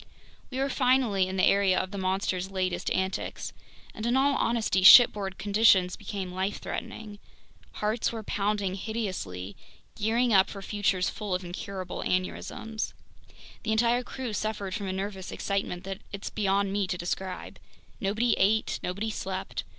We were finally in the area of the monster's latest antics! And in all honesty, shipboard conditions became life threatening. Hearts were pounding hideously, gearing up for futures full of incurable aneurysms. The entire crew suffered from a nervous excitement that it's beyond me to describe. Nobody ate, nobody slept.